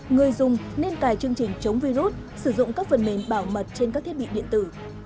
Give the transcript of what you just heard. người dùng nên cài chương trình chống virus sử dụng các phần mềm bảo mật trên các thiết bị điện tử